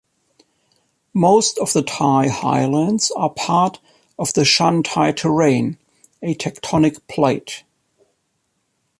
Most of the Thai highlands are part of the Shan-Thai Terrane, a tectonic plate.